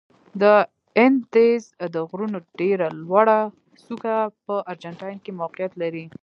د اندیز د غرونو ډېره لوړه څوکه په ارجنتاین کې موقعیت لري.